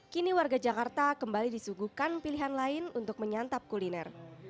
kini warga jakarta kembali disuguhkan pilihan lain untuk menyantap kuliner